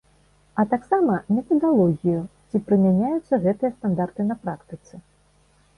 А таксама метадалогію, ці прымяняюцца гэтыя стандарты на практыцы.